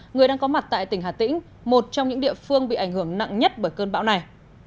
người đang có mặt tại tỉnh hà tĩnh một trong những địa phương bị ảnh hưởng nặng nhất bởi cơn bão này